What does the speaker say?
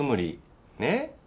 ねっ？